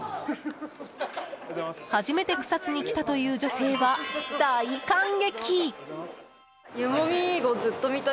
初めて草津に来たという女性は大感激。